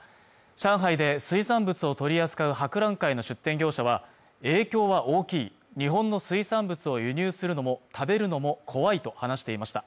上海で水産物を取り扱う博覧会の出展業者は影響は大きい日本の水産物を輸入するのも食べるのも怖いと話していました